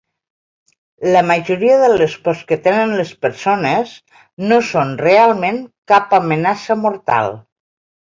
La majoria de les pors que tenen les persones no són realment cap amenaça mortal.